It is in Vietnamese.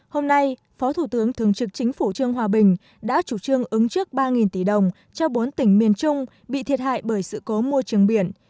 hôm nay phó thủ tướng thường trực chính phủ trương hòa bình đã chủ trương ứng trước ba tỷ đồng cho bốn tỉnh miền trung bị thiệt hại bởi sự cố môi trường biển